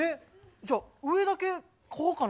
じゃあ上だけ買おうかな。